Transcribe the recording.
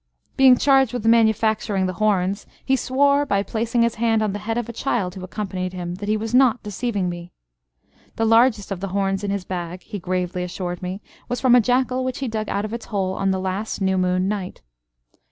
Being charged with manufacturing the horns, he swore, by placing his hand on the head of a child who accompanied him, that he was not deceiving me. The largest of the horns in his bag, he gravely assured me, was from a jackal which he dug out of its hole on the last new moon night.